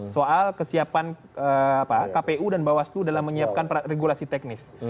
soal kesiapan kpu dan bawaslu dalam menyiapkan regulasi teknis